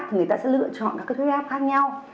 thì người ta sẽ lựa chọn các huyết áp khác nhau